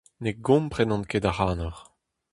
Ne gomprenan ket ac'hanoc'h.